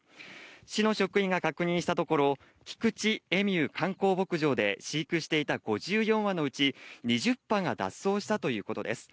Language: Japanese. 市の職員が確認したところ、菊池エミュー観光牧場で飼育していた５４羽のうち、２０羽が脱走したということです。